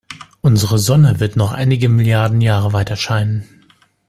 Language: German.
Unsere Sonne wird noch einige Milliarden Jahre weiterscheinen.